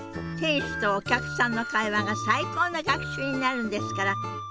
店主とお客さんの会話が最高の学習になるんですから。